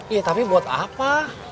iya tapi buat apa